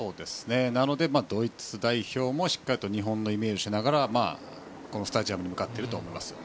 ドイツ代表もしっかり日本をイメージしながらこのスタジアムに向かっていると思います。